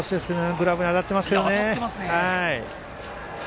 グラブに当たってますけどね。